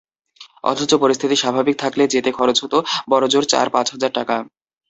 অথচ পরিস্থিতি স্বাভাবিক থাকলে যেতে খরচ হতো বড়জোর চার-পাঁচ হাজার টাকা।